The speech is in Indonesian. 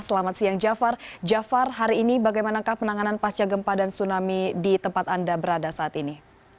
selamat siang jafar jafar hari ini bagaimanakah penanganan pasca gempa dan tsunami di tempat anda berada saat ini